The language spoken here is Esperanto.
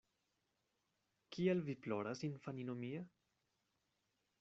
Kial vi ploras, infanino mia?